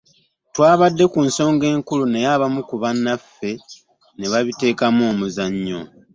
Twabadde ku nsonga nkulu naye abamu ku bannaffe ne babiteekamu omuzannyo